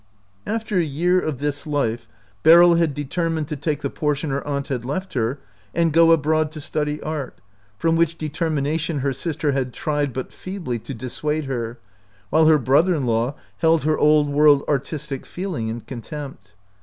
52 OUT OF BOHEMIA After a year of this life Beryl had deter mined to take the portion her aunt had left her and go abroad to study art, from which determination her sister had tried but feebly to dissuade her, while her brother in law held her Old World artistic feeling in con tempt.